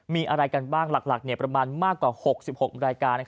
มีอะไรกันบ้างหลักประมาณมากกว่า๖๖รายการ